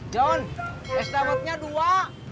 john es damatnya dua